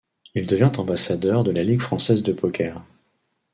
Il devient ambassadeur de la Ligue française de poker.